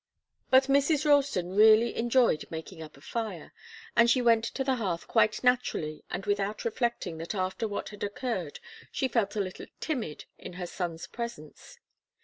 But Mrs. Ralston really enjoyed making up a fire, and she went to the hearth quite naturally and without reflecting that after what had occurred she felt a little timid in her son's presence.